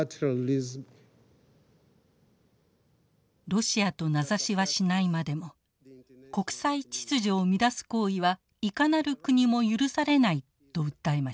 ロシアと名指しはしないまでも国際秩序を乱す行為はいかなる国も許されないと訴えました。